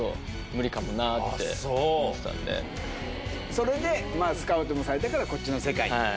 それでスカウトもされたからこっちの世界に。